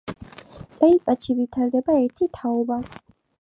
წელიწადში ვითარდება ერთი თაობა.